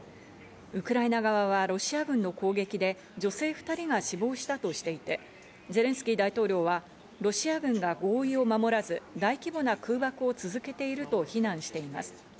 ウクライナ側はロシア軍の攻撃で女性２人が死亡したとしていて、ゼレンスキー大統領はロシア軍が合意を守らず、大規模な空爆を続けていると非難しています。